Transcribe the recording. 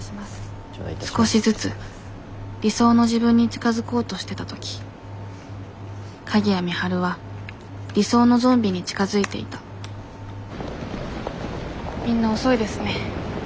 少しずつ理想の自分に近づこうとしてた時鍵谷美晴は理想のゾンビに近づいていたみんな遅いですね。